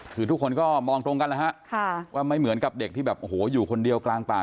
คือทุกคนก็มองตรงกันแล้วฮะว่าไม่เหมือนกับเด็กที่แบบโอ้โหอยู่คนเดียวกลางป่า